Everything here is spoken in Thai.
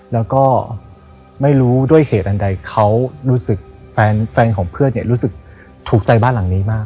แล้วก็ไม่รู้ด้วยเหตุอันใดเขารู้สึกแฟนของเพื่อนรู้สึกถูกใจบ้านหลังนี้มาก